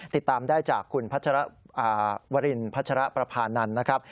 ติดตามได้จากคุณวรินพัชรประพานันทร์นะครับ